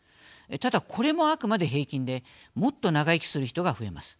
ただ、これもあくまで平均でもっと長生きする人が増えます。